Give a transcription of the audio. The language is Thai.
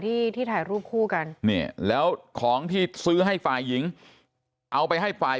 ที่ที่ถ่ายรูปคู่กันเนี่ยแล้วของที่ซื้อให้ฝ่ายหญิงเอาไปให้ฝ่าย